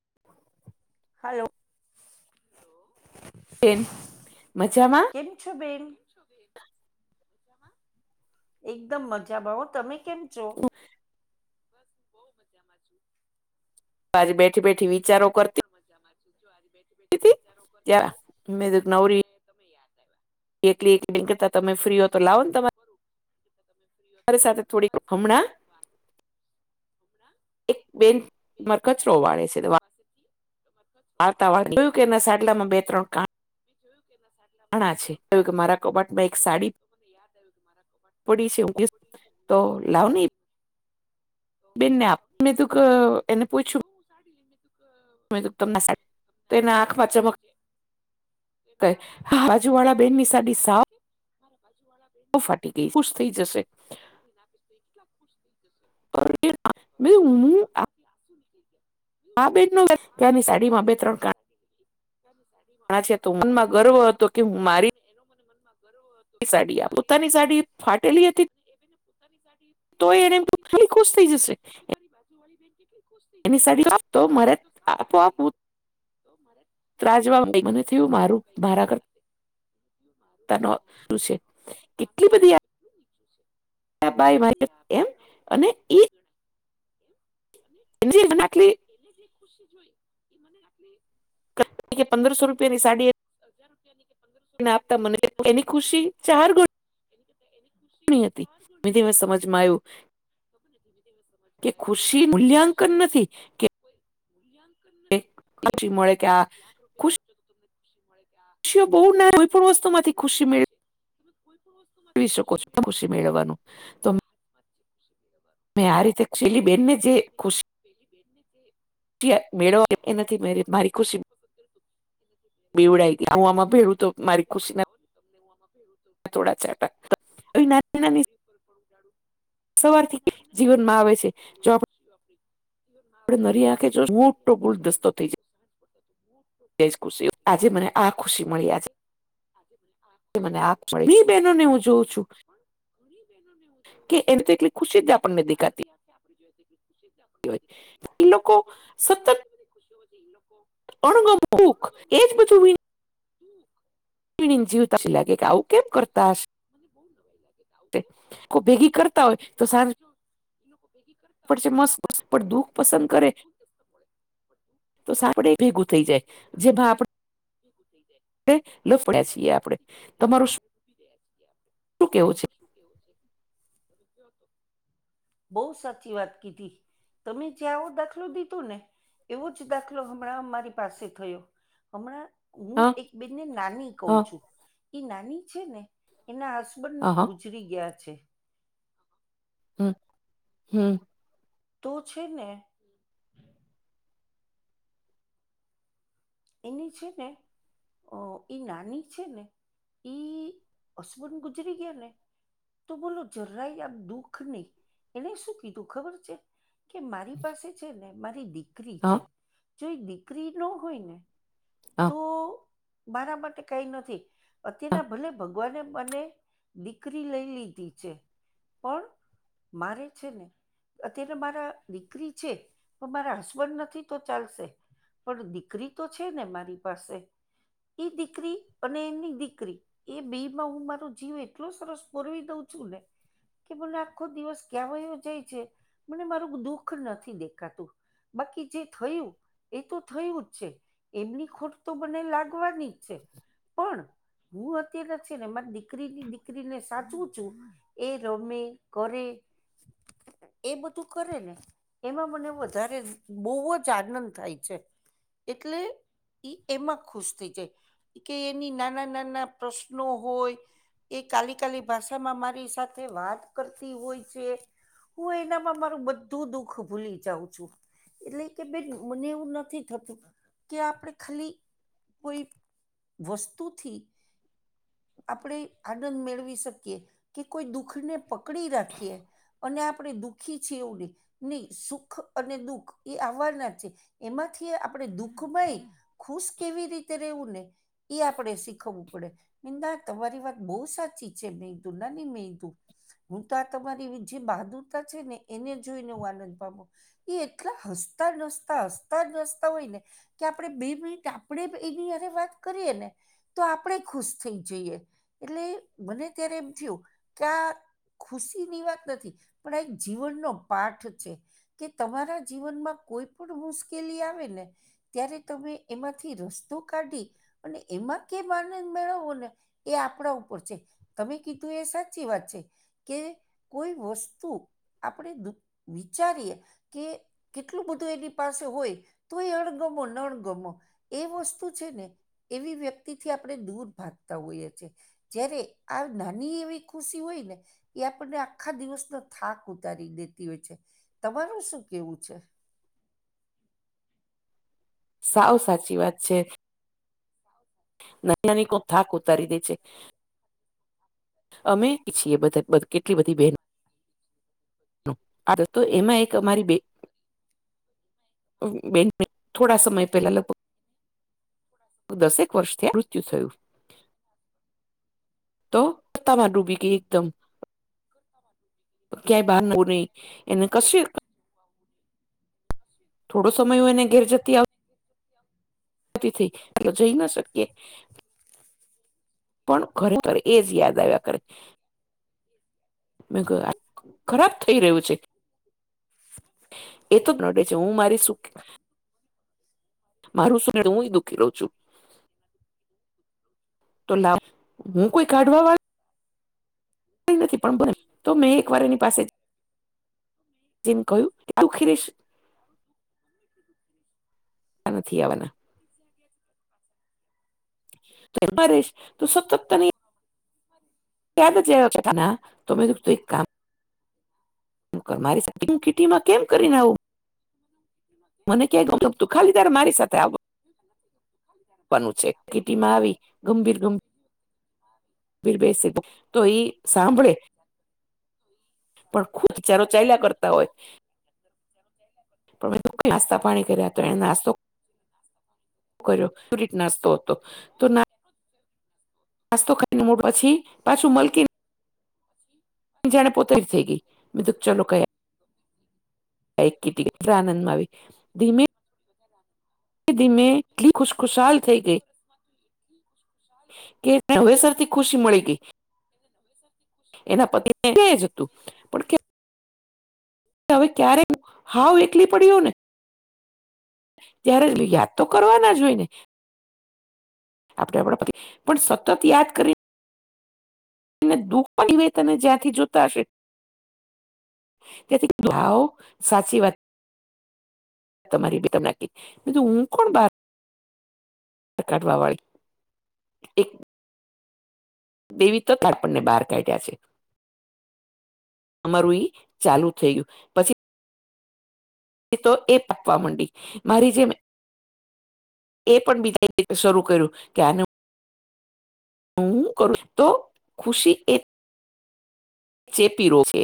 [inaudible] Hello. બેન મજામાં? એમ છ બેન? [inaudible] એકદમ મજા બા તમે કેમ છો. હુ મઝા મા છુ તો આજે બેઠી બેઠી વિચારો કરતી હુપણ મજામાં છું જો આજે બેઠી બેઠી હતી વિચારો કરતી ત્યાં તે મે ્યા નવરી મને તમે યાદ આવ્યા. એકલી એક ડિ કરતા તમે ફ્રી હો તો લાવો ને તમારે તમે ફ્રીઓ તો લાવો ને થોડી તમારી સાથે હમણાં થોડીક વાત એક બેન મરકચરો વાળે છે, દવા વાર્તા જોયું કેના સાડલામાં બે ત્રણ ક મે જોયું કે એના નાણા છે કું કે મારા કબાટમાં એક સાડી. યાદ આવ મારા એક પડી છે સાડી પડી છે, હુ તો લાવ ને કોયદી બેનને આપ મેં તુંક એને પૂછ્યું. સાડી લઈને તું? તમ તે સાડી પેરીઆંખમાં ચમક ા બાજુવાળા બેન ની સાડી સાવ મારા પાછુ વાળા બ ફાટી ગઈ ખુશ થઈ જશે. [unintelligible] આ હું ની કઈ ગયા. આ બેટનું પેટનો વિચાર કર [unintelligible] કાણા પી છે તો તરફાણા મનમાં છે ગર્વ તપ હતો કે હું મારી અને એનો મને મનમાં ગર્વ સાડી પોતાની સાડી ફાટેલી હતી. એ બેને પોતાની સાડી તો એને ફાટેલી હતી તો ખાલી ખુશ એને એમ થઈ કીધું કે મારી બાજુ વાળી બેહેન કે એનીદી મ આપઆપ તો મારેપું લજવા થયું મારું કઈ મારા ગય સાથે. છે, કેટલી બધી આ બાઈ એટલી બધી મારી આ એમ ભાઈ મારી અને બતાઊંચી ગણાય. એને જ નાલે. એને જે ખુશી જોઈ, એ મને રાખલી પ્રત્ય કે પંદરસો રૂપિયા ની સાડી હજાર રૂપિયા ની કે પંદરસો એને રૂપિયા ની આપતા મને સાડી એને એની આપતા મને ખુશી જે [unintelligible] ચાર હતી, મે સમજમાં આવ્યું. નથી એજ [unintelligible] કે ખુશી મૂલ્યાંકન નથી. કે મૂલ્યાંકન નથી કે ખુશી મળે આ લાખ રૂપિયા ખુશ ખર્ચો તો તમને પછી મળે કે આ [unintelligible] ખુશીઓ બહુ ના કોઈ ખુશીઓ પણ બહુ નાની વસ્તુમાંથી નાની ખુશી હોય છે, તમે કોઈ પણ વસ્તુ મેળવી માંથી શકો ખુશી છો મેળવી શકો છો. મેળવવાનું તો તમારા હાથમાં જ મેં આ રીતે ખુશીનું છેલ્લી આ બેનને રીતે જે ખુશી ને પેલી બેન ને તે. ત્યા ુશ મેળવવા માટે તે માત્ર પસંદ કર હતું. બેવડઈ ગયા હું આમાં ભેડું તો મારી ખુશી ના તમને એમાં ફેરું હત થોડા નાની નાની [unintelligible] સવારથી જીવનમાં આવે છે, જો આપ આપરમાં આવે છે. હટો બૂલ દસ્તો થઈ જાય જે ખુશી આજે મને આ ખુશી મળી આ છે. આજે આ ખુશી મને મળ આજે મળી આ બહેનોને ખુશી હું મળ જોઉં છું પણ [unintelligible] કે એની ત એકલી ખુશી જ આપપણ મે દખા હતી. આપણે જોએ કે [unintelligible] હોય. લોકો સતત અણખ એજ બધુ ઠીક એજ જીવતા બધું લાગે કે હું આવું કેમ જોતા હોય કરતા છ, હશે મને બઉ નવાઈ લાગે આવું કેમ કો કરતા ભેગી કરતા હોય તો સારું એ લોકો ભેગી કરતા પણ દુઃખ પસંદ કરે હોય તો તો સાપડે ભેગું થઈ જાય જે ભ આપડ ગુતેી છે. આપ લફડ્યા છીએ આપણે તમારું શું કેવું છે તમારું શું કેવું છે. બહ સાચી વાત કીધી તમે જ્યાં આવ દખ દાલો દીધો ને એવો જ દાખલો હમણાં અમારી પાસે થયો હમણાં હું હા એક બેનને નાની કહ હા છું એ નાની છે ને એના હા હા હસબન્ડ. શ્રી ગયા છે. હમ હમ તું છે ને એની છે ને ઓ ઈ નાની છે ને ઈ અશબન ગુજરી ગયા ને તો બોલો જરાય આમ દુઃખ નહી એને શું કીધું ખબર છે. કે મારી પાસે છે ને મારી દીકરી હા છે જો એ દીકરી ન હોય ને હા તોું મારા માટે કઈ નથી હા અત્યારના ભલે ભગવાને મને દીકરી લઈ લીધી છે પણ મારે છેને અત્યારે મારા દીકરી છે પણ મારા હસબન્ડ નથી તો ચાલશે પણ દીકરી તો છે ને મારી પાસે ઈ દીકરી અને એની દીકરી એ બેમાં હું મારો જીવ એટલો સરસ બોરવી દઉં છુ, ને કે મને આખો દિવસ કવાયો જાય છે મને મારું દુઃખ નથી દેખાતુ. બાકી જે થયું એ તો થયું જ છે. એમની ખોટ તો મને લાગવાની જ છે, પણ હું અત્યારે છે ને મારી દીકરીની દીકરીને સાચવું છુ. એ રમે કરે એ બધું કરે ને એમાં મને વધારે બહુવ જ આનંદ થાય છે. એટલે ઈ, એમાં ખુશ થથી જાય કે એની નાના નાના પ્રશ્નો હોય. એ કાલી કાલી ભાષામાં મારી સાથે વાત કરતી હોય છે. હું એનામાં મારું બધું દુખ ભૂલી જાઉં છુ. એટલે કે બેન મને એવું નથી થતુ કે આપણે ખાલી કોઈ વસ્તુથી આપણે આનંદ મેળવી શકીએ કે કોઈ દુઃખને પકડી રાખીએ. અને આપણે દુઃખી છેએ, એવે. નહી સુખ અને દુઃખ એ આવવારના છે, એમાંથી આપણે દુખ ભાઈ ખુશ કેવી રીતે રેવું ને એ આપણે શીખવવું પડેંદા તમારી વાત બહુ સાચી છે, મેંદુ નાની મેંદુ. હું તો આ તમારી જે બહાદુરતા છે, ને એને જોઈને હું આનંદ પામુ એ એટલા હસતા નસતા હસતા નસતા હોય, ને કે આપણે બે મિનિટ આપણેે એની હરે વાત કરીએ ને તો આપણે ખુશ થઈ જઈએ, એટલે મને ત્યારે એમ થયું કે આ ખુશી ની વાત નથી પણ આ એક જીવનનો પાઠ છે. કે તમારા જીવનમાં કોઈ પણ મુશ્કેલી આવે ને ત્યારે તમે એમાંથી રસ્તો કાઢી અને એમાં કેમ આનંદ મેળવવો ને એ આપણા ઉપર છે તમે કીધું એ સાચી વાત છે કે કોઈ વસ્તુ આપણે વિચારીએ કે કેટલું બધું એની પાસે હોય તો એ અ તો બોલ નણ ગમો એ વસ્તુ છે ને એવી વ્યક્તિ થી આપણે દૂર ભાગતા હોઈએ છીએ. જય્યારે આ નાની એવી ખુશી હોય ને એ આપણને આખા દિવસનો થાક ઉતારી દેતી હોય છે તમારું શું કેવું છે? સાવ સાચી વાત છે. નાની નાની કો થાક ઉતારી દે છે. અમે છીએ બધા કેટલી બધી બહેન આ દોસ્તો એમાં એક અમારી બે બેન થોડા સમય પેલા લગભગ દસેક વર્ષથી મૃત્યુ થયું તો પત્તામાં ડૂબી ગઈ એકદમ ઘરમાં વાત ક્યાંય બહાર નવ નહી એને કશી [inaudible] થોડો સમય એને ઘર જતી આવ [inaudible] તી થી તો જઈ ના શકીએ. [inaudible] પણ ખરેખર એજ યાદ આવ્યા કરે. મે ખરાબ થઈ રહ્યું છે. એ તો નડે છે હું મારી સુખ મારું શું ને તો હું એ દુખી રહું છું તો લાવ હું કોઈ કાઢવા વાળ નથી પણ તો મેં એક વાર એની પાસે જઈ ને કહ્યુ તું દુઃખી રહીશ. [unintelligible] નથી આવા ના [inaudible] તો એમાં રસ તું સતતને યાદ આવશે તને આ તો મે કીધું એક કામ તું કર મારી કીટીમાં કેમ કરીને આવું મને ક્યા ગમતું ખાલી તારે મારી સાથે આવ આપવાનું છે કિટીમાં આવી ગંભીર ગંભીર બીર બેસે તોઈ સાંભળે પણ ખુચારો ચાલ્યા કરતા હોય. પણ નાસ્તા પાણી કર્યા તો એને નાસ્તો કર્યો નાસ્તો હતો તો ના નાસ્તો ખાઈને મોટ પછી પાછું મલકી જાણે પોતા જ થઈ ગઈ મે કીધુ ચાલો કયા એક કીટી આનંદમાં આવી ધીમે ધન્યવાદ ધીમે એટલી ખુશખુશાલ થઇ ગઈ કે નવે સરથી ખુશી મળી ગઈ એના પગે કે જે હતું પણ હવે ક્યારે હાવ એકલી પડ્યો ને ત્યારે જ યાદ તો કરવાના જ હોય ને આપડે આપણા પતિ પણ સતત યાદ કરી ને દુઃખ પણ તને જ્યાંથી જોતા હશે. તેથી ભાવ સાચી વાત તમારી બેન તમને કેઈ મેં કીધું હું કોણ બાર કાટવા વાળી એક દેવી તો થાય આપણને બહાર કાઢ્યા છે અમારું ઈ ચાલુ થયું જે તો એ પાકવા મંડી મારી જે એ પણ બીજા શરૂ કર્યું કે આનું હું કરું છુ તો ખુશી એ ચેપી રોગ છે